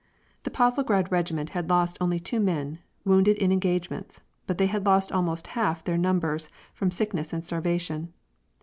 The Pavlograd regiment had lost ^nly two men, wounded in engagements, but they had lost almost half their num bers from sickness and starvation.